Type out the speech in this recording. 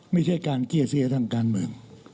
ไม่ใช่การเกลี้ยเสียทางการเมือง